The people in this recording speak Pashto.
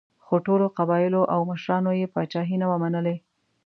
خو ټولو قبایلو او مشرانو یې پاچاهي نه وه منلې.